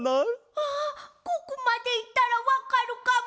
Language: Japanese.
あここまでいったらわかるかも！